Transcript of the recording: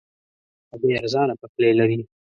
هګۍ ارزانه پخلی لري.